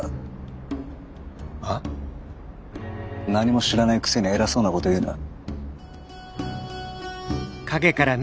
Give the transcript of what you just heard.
何も知らないくせに偉そうなこと言うな。